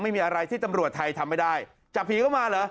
ไม่มีอะไรที่ตำรวจไทยทำไม่ได้จับผีเข้ามาเหรอ